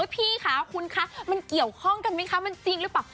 พี่คะคุณคะมันเกี่ยวข้องกันไหมคะมันจริงหรือเปล่า